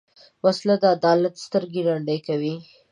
وسله د عدالت سترګې ړندې کوي